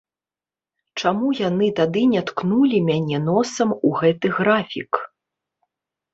Чаму яны тады не ткнулі мяне носам у гэты графік?